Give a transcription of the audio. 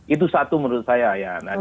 itu satu menurut saya ya